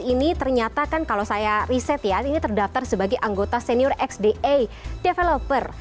ini ternyata kan kalau saya riset ya ini terdaftar sebagai anggota senior xda developer